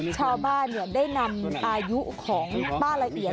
ชาวบ้านได้นำอายุของป้าละเอียด